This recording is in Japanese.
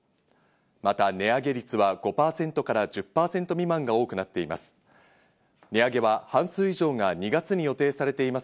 また値上げ率は５％から１０％未満が多くなっています。